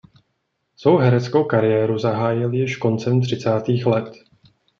Svou hereckou kariéru zahájil již koncem třicátých let.